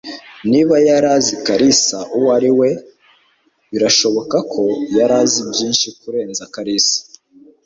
Niba yari azi Kalisa uwo ari we, birashoboka ko yari azi byinshi kurenza Kalisa.